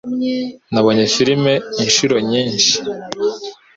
Nabonye film inshuro nyinshi